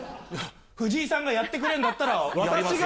藤井さんがやってくれるんだ私が？